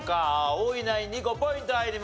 多いナインに５ポイント入ります。